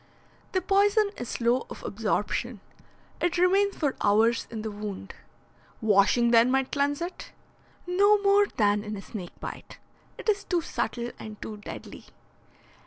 "The poison is slow of absorption. It remains for hours in the wound." "Washing, then, might cleanse it?" "No more than in a snake bite. It is too subtle and too deadly."